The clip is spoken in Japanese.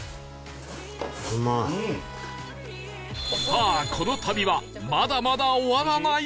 さあこの旅はまだまだ終わらない！